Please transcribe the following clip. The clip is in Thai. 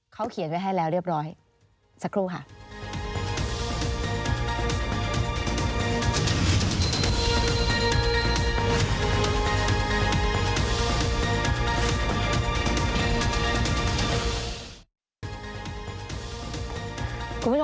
จะไม่ได้มาในสมัยการเลือกตั้งครั้งนี้แน่